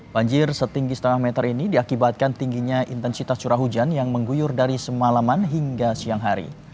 banjir setinggi setengah meter ini diakibatkan tingginya intensitas curah hujan yang mengguyur dari semalaman hingga siang hari